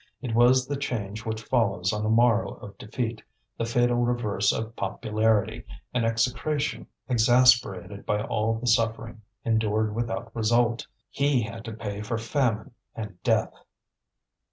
It was the change which follows on the morrow of defeat, the fatal reverse of popularity, an execration exasperated by all the suffering endured without result. He had to pay for famine and death.